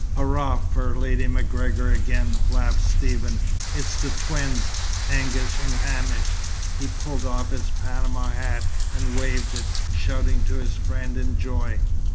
"Hurrah for Lady MacGregor again!" laughed Stephen. "It's the twins, Angus and Hamish." He pulled off his panama hat and waved it, shouting to his friend in joy.